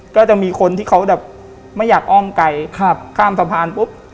ก็จะมีคนที่เขาแบบไม่อยากอ้อมไกลข้ามสะพานปุ๊บ